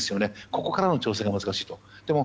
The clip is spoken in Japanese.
ここからの調整が難しいです。